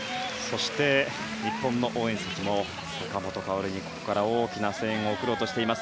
日本の応援席も坂本花織に大きな声援送ろうとしています。